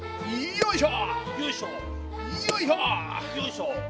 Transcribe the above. よいしょ！